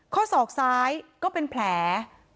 ข้อศอกซ้ายก็เป็นแผล